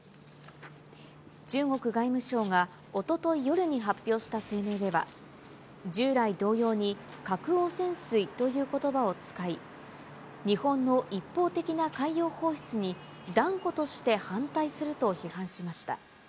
中国外務省がおととい夜に発表した声明では、従来同様に核汚染水ということばを使い、日本の一方的な海洋放出に断固として反対すると批判しました。